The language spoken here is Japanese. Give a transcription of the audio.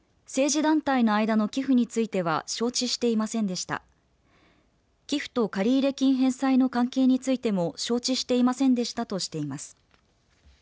寄付と借入金返済の関係についても承知していませんでしたとしています。